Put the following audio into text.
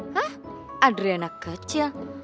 hah adriana kecil